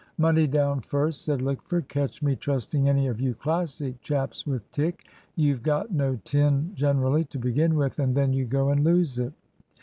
"Money down first," said Lickford. "Catch me trusting any of you Classic chaps with tick! You've got no tin generally, to begin with, and then you go and lose it."